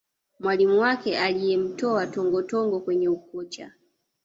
mwalimu wake aliyemtoa tongotongo kwenye ukocha